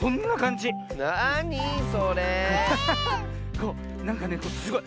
こうなんかねすごい